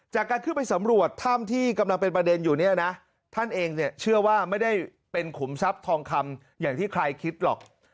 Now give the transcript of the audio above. จากการขึ้นไปสำรวจถ้ำที่กำลังเป็นประเด็นอยู่เนี่ยนะท่านเองเนี่ยเชื่อว่าไม่ได้เป็นขุมทรัพย์ทองคำอย่างที่ใครคิดหรอก